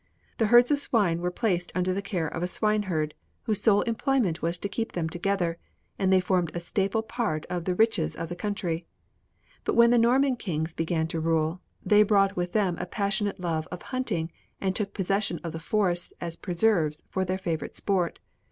The herds of swine were placed under the care of a swineherd, whose sole employment was to keep them together, and they formed a staple part of the riches of the country. But when the Norman kings began to rule, they brought with them a passionate love of hunting and took possession of the forests as preserves for their favorite sport.